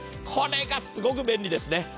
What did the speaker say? これがすごく便利ですね。